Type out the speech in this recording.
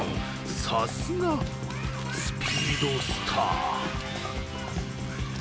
さすがスピードスター。